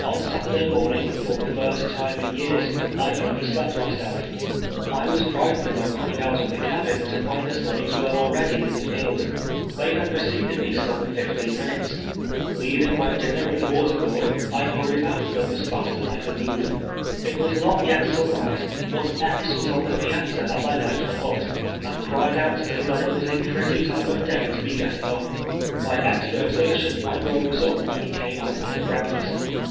On Saturday morning, for the first time in years, I overslejit myself. I was frightened on coming out of the cabin to lind the slaves were already in the field. THE LAST WniPPING. 287 They had 2:)recedecl me some fifteen minutes. Leav ing mj dinner and water gourd, I hurried after them as last as I could move. It was not yet sunrise, but Epps was on the piazza as I left the hut, and cried out to me that it was a pretty time of day to be getting up. By extra exertion my row was uj) when he came out after breakfast.